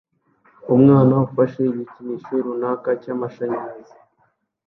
Umwana afashe igikinisho runaka cyamashanyarazi